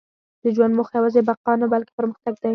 • د ژوند موخه یوازې بقا نه، بلکې پرمختګ دی.